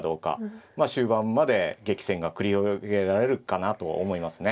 まあ終盤まで激戦が繰り広げられるかなと思いますね。